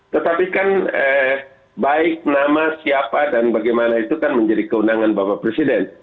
tetapi kan baik nama siapa dan bagaimana itu kan menjadi keundangan bapak presiden